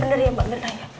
bener bener ya mbak milkanya